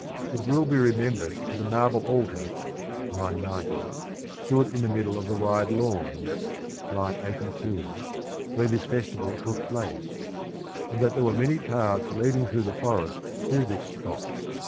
It will be remembered that a marble altar (go) stood in the middle of the wide lawn Ti.caitorand ,', the lawn. (82) where this festival took place, and that there were many paths leading through the forest to this spot.